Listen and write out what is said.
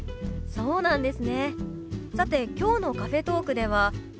そうなんです。